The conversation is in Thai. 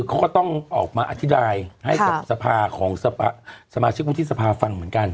แล้วก็ต้องออกมาอธิดายให้สมชิกวุฒิสภาษณ์ฟังเหมือนกัน